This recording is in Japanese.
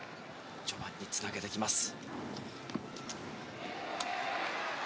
序盤につなげてきます。